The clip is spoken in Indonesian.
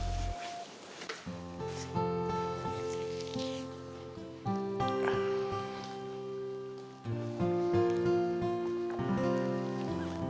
masih ada yang mau ngambil